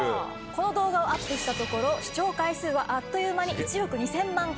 この動画をアップしたところ視聴回数はあっという間に１億２０００万回超え。